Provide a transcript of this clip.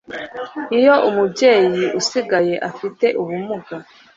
iyo umubyeyi usigaye afite ubumuga